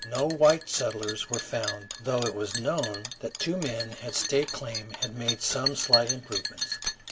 No white settlers were found, though it was known that two men had staked claims and had made some slight improvements.